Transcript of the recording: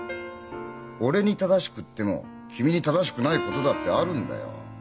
俺に正しくっても君に正しくないことだってあるんだよ。